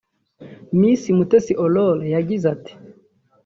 Miss Mutesi Aurore yagize ati